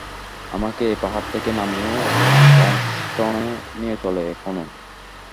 আমাকে এই পাহাড় থেকে নামিয়ে লন্সেস্টনে নিয়ে চলো এখনই।